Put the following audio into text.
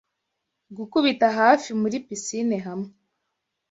gukubita hafi muri pisine hamwe